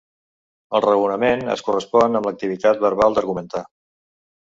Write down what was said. El raonament es correspon amb l'activitat verbal d'argumentar.